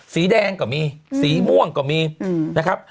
สีแดงก็มีสีม่วงก็มีนะครับ